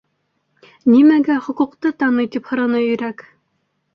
—Нимәгә хоҡуҡты таный? —тип һораны Өйрәк.